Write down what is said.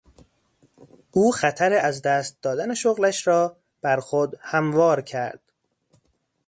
او خطر از دست دادن شغلش را بر خود هموار کرد.